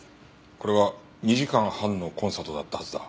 これは２時間半のコンサートだったはずだ。